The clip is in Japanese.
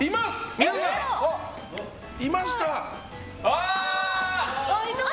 皆さん、いました。